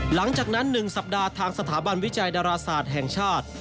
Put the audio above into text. หลังจากนั้น๑สัปดาห์ทางสถาบันวิจัยดาราศาสตร์แห่งชาติ